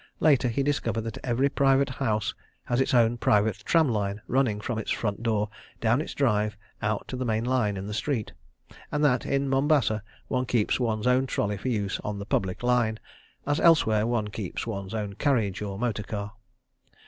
Later he discovered that every private house has its own private tram line running from its front door down its drive out to the main line in the street, and that, in Mombasa, one keeps one's own trolley for use on the public line, as elsewhere one keeps one's own carriage or motor car.